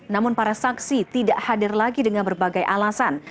namun para saksi tidak hadir lagi dengan berbagai alasan